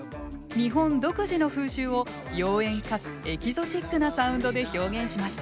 日本独自の風習を妖艶かつエキゾチックなサウンドで表現しました。